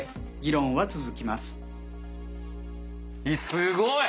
すごい！